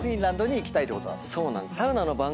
そうなんです。